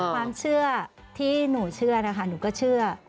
ความเชื่อที่หนูเชื่อนะคะหนูก็เชื่อ